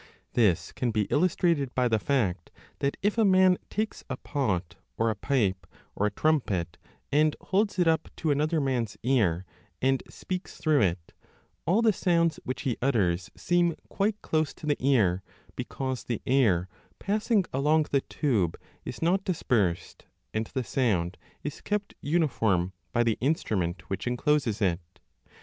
This can be illustrated by the fact that if a man takes a* pot J or a pipe or a trumpet and holds it up to another man s ear and speaks through it, all the sounds which he utters seem 30 quite close to the ear, because the air passing along the tube is not dispersed and the sound is kept uniform by the instrument which encloses it.